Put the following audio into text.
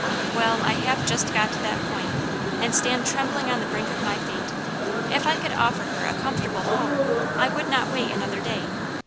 " Well, I have got to just that point, and stand trembling on the brink of my fate. If I could offer her a comfortable home I would not wait another day.